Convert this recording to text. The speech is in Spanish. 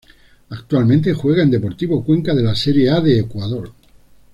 Actualmente juega en Deportivo Cuenca de la Serie A de Ecuador.